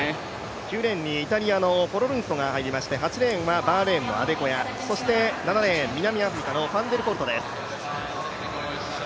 ９レーンにイタリアのフォロルンソが入りまして、８レーンはバーレーンのアデコヤ、７レーン、南アフリカのファンデルフォルトです。